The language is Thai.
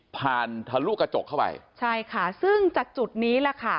ผ่านทะลุกระจกเข้าไปใช่ค่ะซึ่งจากจุดนี้